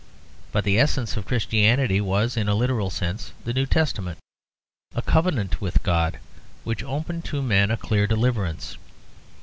But the essence of Christianity was in a literal sense the New Testament a covenant with God which opened to men a clear deliverance.